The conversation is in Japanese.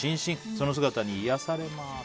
その姿に癒やされます。